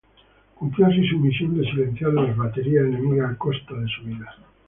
Cumplió así su misión de silenciar las baterías enemigas, a costa de su vida.